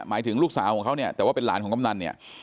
ถึงลูกสาวของเขาเนี่ยแต่ว่าเป็นหลานของกำนันเนี่ย